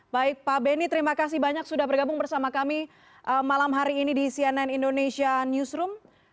baik pak benny terima kasih banyak sudah bergabung bersama kami malam hari ini di cnn indonesia newsroom